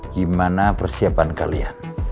gimana persiapan kalian